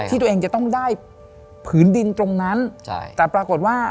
ที่ตัวเองจะต้องได้ผืนดินตรงนั้นใช่แต่ปรากฏว่า